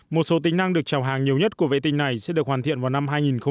một số tính năng được trào hàng nhiều nhất của vệ tinh này sẽ được hoàn thiện vào năm hai nghìn hai mươi